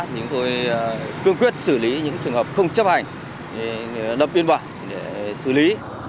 chúng tôi cương quyết xử lý những trường hợp không chấp hành đập biên bản để xử lý